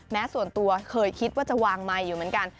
ส่วนตัวเคยคิดว่าจะวางไมค์อยู่เหมือนกัน